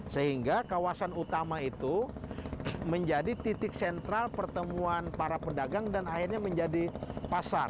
sehingga kawasan utama itu menjadi titik sentral pertemuan para pedagang dan akhirnya menjadi pasar